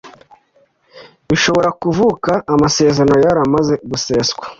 bishobora kuvuka amasezerano yaramaze guseswa